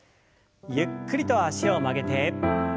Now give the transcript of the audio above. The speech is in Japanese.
ゆっくりと脚を曲げて。